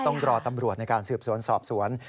ต้องรอตำรวจในการสืบสวนสอบสวน